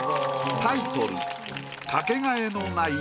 タイトル